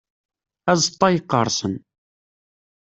Azeṭṭa yeqqerṣen.